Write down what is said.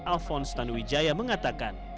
alphonse tanwijaya mengatakan